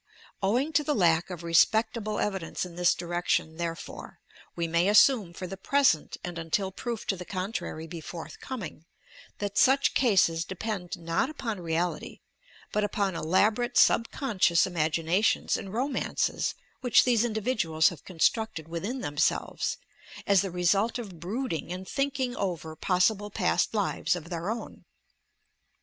Owing to the lack of respectable evidence in this direction, therefore, we may assume for the present, and until proof to the contrary be forthcoming, that such cases depend not upon reality, hut upon elaborate subconscious imaginations and romances which these individuals have constructed within themselves, as the result of brooding and thinking over possible past lives of their own.